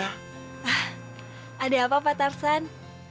hah ada apa pak tarzan